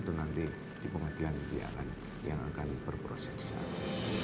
itu nanti di pengadilan yang akan berproses di sana